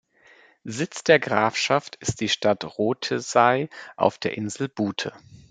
Sitz der Grafschaft ist die Stadt Rothesay auf der Insel Bute.